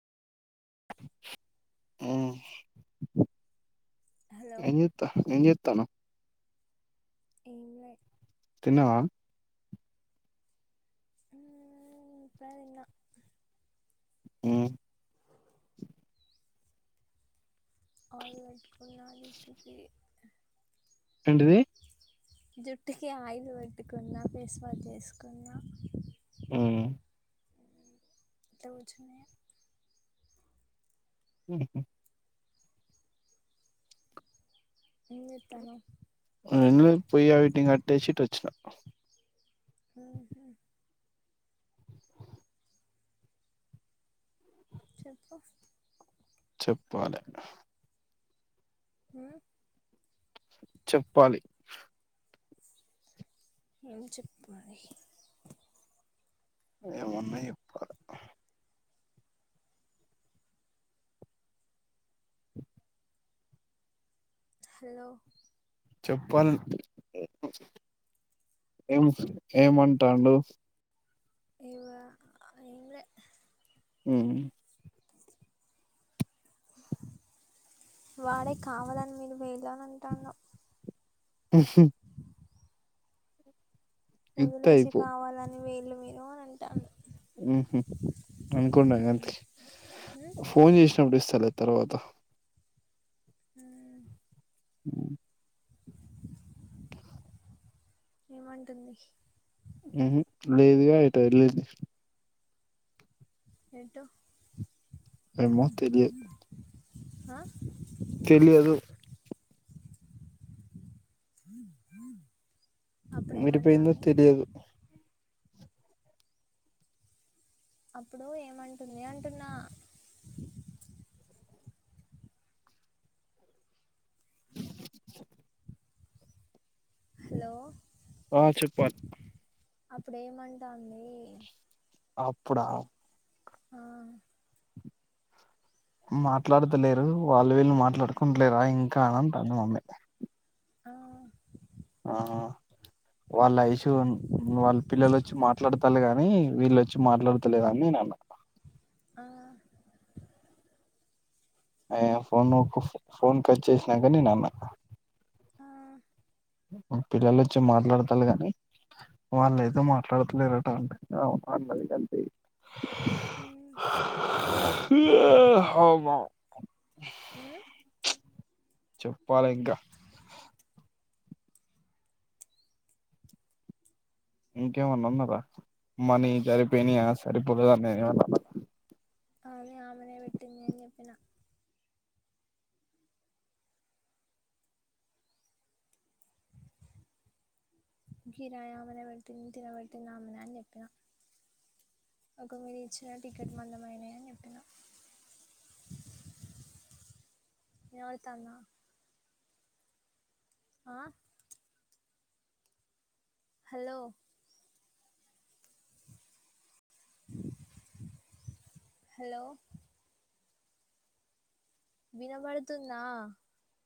Hello ఏంచేతావు ఎం చెతానావు ఎంలే తిన్నవ ఇప్పుడే తిన్న హ్మ్ కాలేజ్ కీ పోయిన ఏంటిది జుట్టుకి ఆయిలు పట్టుకున్న ఫేస్ వాష్ చేసుకున్న హ్మ్ ఇద్ద వజున్నా హ్మ్ హ్మ్ ఏంచేత్తన్నావు పయ్య వటింగ్ అట్టచ్చట్ వచ్చిన ఆహా చెప్పు చెప్పాలి హ చెప్పాలి నువ్వు చెప్పాలి ఏమన్నాయి ఇప్పు హలో చెప్పల్ ఏం ఏమంటాడు ఇవ ఎంలే ఆ వాడే కావాలని మీరు వేళ అంటను అ ఇత్తే వదిలేసి అయిపో కావాలని వేళు మీేను అని అంటాను అనుకుడా అంత మ్మ్ మ్మ్ ఫోన్ చేసినప్పుడు స్ల తరువాత హ్మ్ హ్ ఏమంటుంది. ఉహ్ లేదుగా ఎటు ఎల్లలేదు ఏటో ఏమ్మో తెలియదు ఆ తెలియాదు అప్పుడు ఎటు పోయిందొ ఏమంటాంది తెలియదు అప్పుడు ఏమంటుంది అంటున్నా హలో ఆ చెప్పు రా అప్పుడేమంటాంది. అప్పుడా ఆ మాట్లాడతలేరు. వాళ్ళు వీళ్ళు మాట్లాడుకుంటలేరా ఇంకా అంటాది. మమ్మీ ఆ ఆహా వాళ్ళు ఐషు వాళ్ళ పిల్లలు వొచ్చి మాట్లాడతాల్లు గాని వీళ్ళొచ్చి మాట్లాడతలేదని నేను అన్నా ఆ అయ ఫోన్ ఒక ఫోన్ కట్ చేసినంక నేను అన్న ఆ పిల్లల వోచ్చి మాట్లాడతాల్లు గాని వాళ్ళు ఏదో మాట్లాడతలేరట అంట అవును అన్నది గంతే హ్ ఏ హ బ హ్ చెప్పాలే ఇంకా ఇంకేమన్నా ఆన్నారా మనీ సరిపోయినాయా సరిపోలేదా అని నేను ఏమన్నా అన్నానా అవును ఆమనే పెట్టింది. అని జేప్పినా కిరాయే ఆమెనే పెట్టింది. తినబెట్టింది ఆమనే అని జేప్పిన ఒక మీరు ఇచ్చిన టికెట్ మందము అయినాయి చెప్పినా వినవాడుతంద ఆ హలో హలో వినబడుతుందా